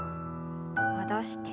戻して。